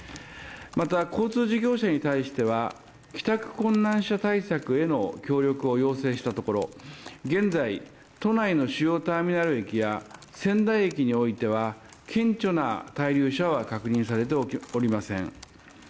また交通事業者に対しては、帰宅困難者対策への協力を要請したところ、現在、都内の主要ターミナル駅や千旦駅においては顕著な滞留者は確認されておりません。